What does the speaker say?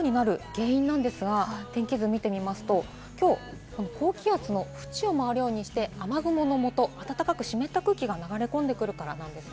このようになる原因なんですが、天気図を見てみますと、きょう、高気圧の縁を回るようにして、雨雲のもと、暖かく湿った空気が流れ込んでくるからです。